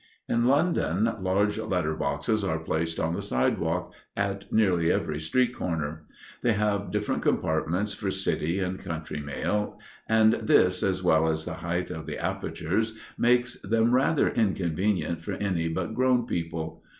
In London large letter boxes are placed on the sidewalk, at nearly every street corner. They have different compartments for city and country mail, and this, as well as the height of the apertures, makes them rather inconvenient for any but grown people.